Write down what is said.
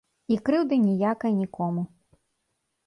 І крыўды ніякай нікому.